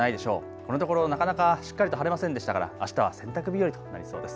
このところなかなかしっかりと晴れませんでしたから、あしたは洗濯日和となりそうです。